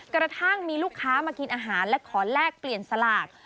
กระทั่งมีลูกค้ามากินอาหารและขอแลกเปลี่ยนสลาก